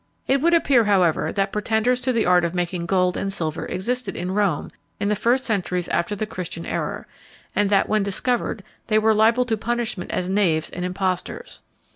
It would appear, however, that pretenders to the art of making gold and silver existed in Rome in the first centuries after the Christian era, and that, when discovered, they were liable to punishment as knaves and impostors.